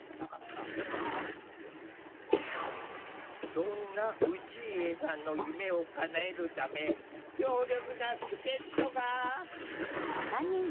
そんな氏家さんの夢をかなえるため強力な助っとが！